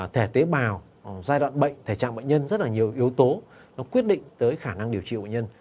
thể tế bào giai đoạn bệnh thể trạng bệnh nhân rất nhiều yếu tố quyết định tới khả năng điều trị bệnh nhân